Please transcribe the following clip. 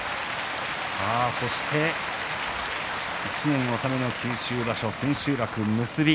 そして１年納めの九州場所千秋楽結び。